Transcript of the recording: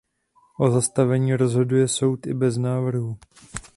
O zastavení rozhoduje soud i bez návrhu.